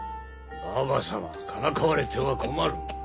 ババ様からかわれては困る。